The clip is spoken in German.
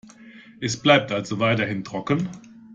Es bleibt also weiterhin trocken.